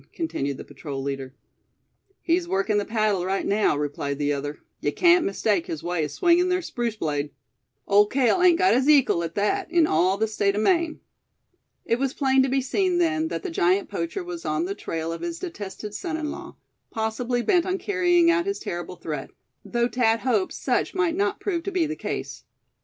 continued the patrol leader. "He's workin' the paddle right now," replied the other. "Yuh cain't mistake his way o' swingin' ther spruce blade. Ole Cale hain't gut his ekal at thet in all the State o' Maine." It was plain to be seen, then, that the giant poacher was on the trail of his detested son in law, possibly bent on carrying out his terrible threat; though Thad hoped such might not prove to be the case.